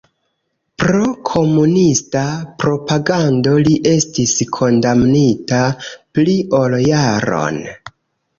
Pro komunista propagando li estis kondamnita pli ol jaron.